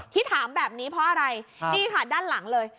ที่ถามแบบนี้เพราะอะไรนี่ค่ะด้านหลังเลย